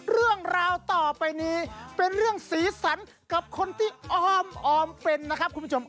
เรื่องราวต่อไปนี้เป็นเรื่องสีสันกับคนที่อ้อมออมเป็นนะครับคุณผู้ชม